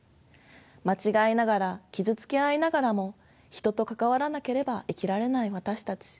間違いながら傷つけ合いながらも人と関わらなければ生きられない私たち。